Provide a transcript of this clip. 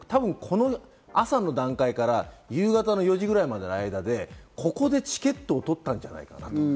朝の段階から夕方の４時くらいまでの間でここでチケットを取ったんじゃないかなと。